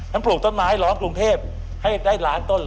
ปลูกต้นไม้ล้อมกรุงเทพให้ได้ล้านต้นเลย